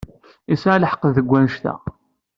Yesɛa lḥeqq deg annect-a.